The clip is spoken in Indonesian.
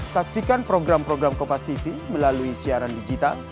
saksikan program program kopastv melalui siaran digital